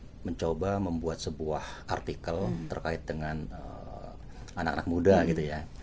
jadi kita mencoba membuat sebuah artikel terkait dengan anak anak muda gitu ya